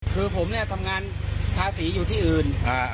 คือผมเนี่ยทำงานทาสีอยู่ที่อื่น